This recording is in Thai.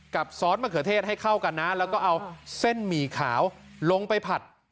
ซอสมะเขือเทศให้เข้ากันนะแล้วก็เอาเส้นหมี่ขาวลงไปผัด